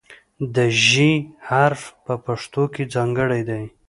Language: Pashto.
د "ژ" حرف په پښتو کې ځانګړی دی.